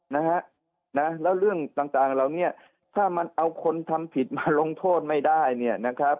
นะฮะนะแล้วเรื่องต่างเหล่าเนี้ยถ้ามันเอาคนทำผิดมาลงโทษไม่ได้